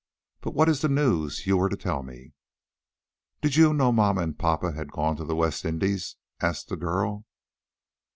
"But what is the news you were to tell me?" "Did you know mamma and papa had gone to the West Indies?" asked the girl.